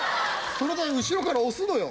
それで後ろから押すのよ。